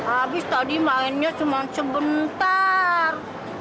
abis tadi mainnya cuma sebentar